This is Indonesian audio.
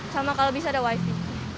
sama kalau bisa ada wifi